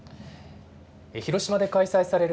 広島で開催される